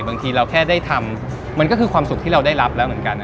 บางทีเราแค่ได้ทำมันก็คือความสุขที่เราได้รับแล้วเหมือนกัน